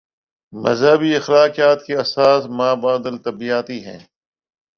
مذہبی اخلاقیات کی اساس مابعد الطبیعیاتی ہے۔